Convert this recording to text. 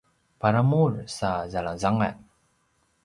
paramur sa zalangzangan